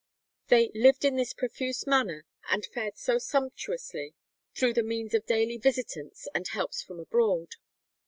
They "lived in this profuse manner, and fared so sumptuously through the means of daily visitants and helps from abroad."